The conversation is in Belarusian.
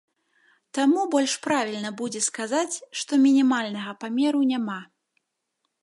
Таму больш правільна будзе сказаць, што мінімальнага памеру няма.